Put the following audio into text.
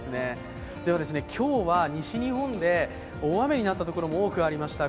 では今日は西日本で大雨になったところがありました。